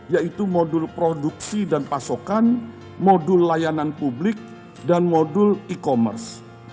yaitu modul produksi dan pasokan modul layanan publik dan modul e commerce